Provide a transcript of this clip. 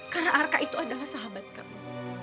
karena arka itu adalah sahabat kamu